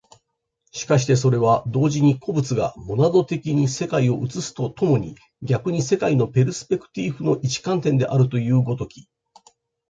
しかしてそれは同時に個物がモナド的に世界を映すと共に逆に世界のペルスペクティーフの一観点であるという如き、